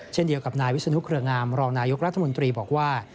เช่นเดียวกับนายวิศนุเครืองามรองนายกรัฐมนตรีบอกว่า